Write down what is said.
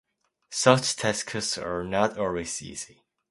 Such tasks are not always easy.